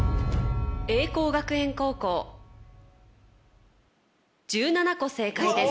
栄光学園高校１７個正解です